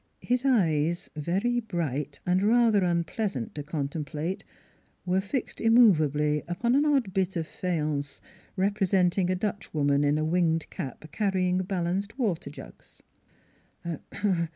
His eyes, very bright and rather unpleasant to con template, were fixed immovably upon an odd bit of faience, representing a Dutch woman in a winged cap carrying balanced water jugs.